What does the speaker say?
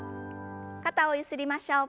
肩をゆすりましょう。